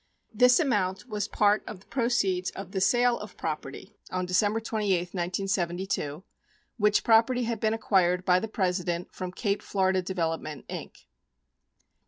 This amount was part of the proceeds of the sale of property on December 28, 1972, which property had been acquired by the President from Cape Florida Development, Inc.